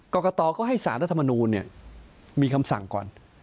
กรกฎาก็ให้สารรัฐมนูนเนี่ยมีคำสั่งก่อน